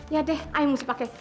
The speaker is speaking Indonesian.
ya deh ayam mesti pakai